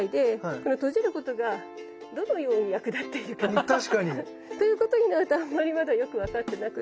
うん確かに。ということになるとあんまりまだよく分かってなくって。